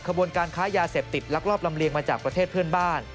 ขบวนการค้ายาเสพติดลักลอบลำเลียงมาจากประเทศเพื่อนบ้าน